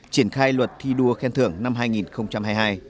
triển khai luật thi đua khen thưởng năm hai nghìn hai mươi hai